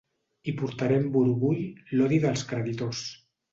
I portaré amb orgull l’odi dels creditors.